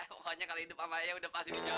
pokoknya kalau hidup sama ayah udah pasti dijawabin